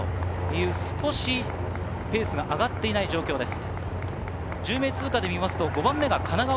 少しペースが上がっていない状況です。